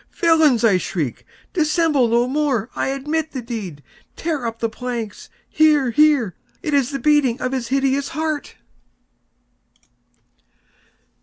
_ "Villains!" I shrieked, "dissemble no more! I admit the deed!—tear up the planks!—here, here!—It is the beating of his hideous heart!"